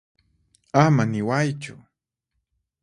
Ama niwaychu.